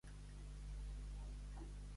Gallina, bou i moltó és olla de senyor.